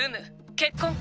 結婚か」